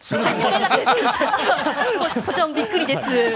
こちらもびっくりです。